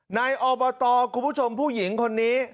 ในอบตคุณผู้ชมผู้หญิงคนนี้